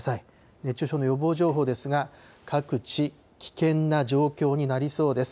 熱中症の予防情報ですが、各地、危険な状況になりそうです。